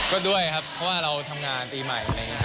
ก็ด้วยครับเพราะว่าเราทำงานตีใหม่